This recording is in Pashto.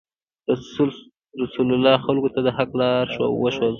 رسول الله خلکو ته د حق لار وښوده.